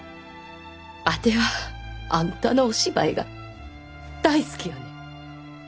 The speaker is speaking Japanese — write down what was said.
あてはあんたのお芝居が大好きやねん。